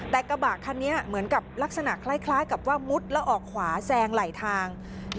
แต่กระบะคันนี้เหมือนกับลักษณะคล้ายกับว่ามุดแล้วออกขวาแซงไหลทาง